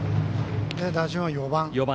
打順は４番。